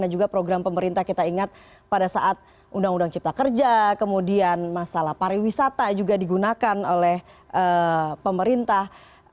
dan juga program pemerintah kita ingat pada saat undang undang cipta kerja kemudian masalah pariwisata juga digunakan oleh pemerintah